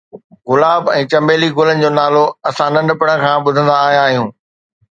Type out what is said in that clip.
گلاب ۽ چنبيلي گلن جو نالو اسان ننڍپڻ کان ٻڌندا آيا آهيون.